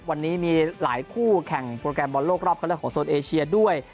วันนี้มีหลายคู่แข่งโปรแกรมบอลโลกรอบเข้าเลือกของโซนเอเชียด้วย